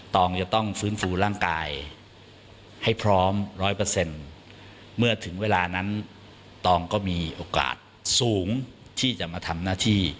องจะต้องฟื้นฟูร่างกายให้พร้อมร้อยเปอร์เซ็นต์เมื่อถึงเวลานั้นตองก็มีโอกาสสูงที่จะมาทำหน้าที่